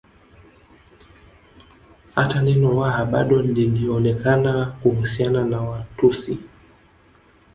Hata neno Waha bado lilionekana kuhusiana na Watusi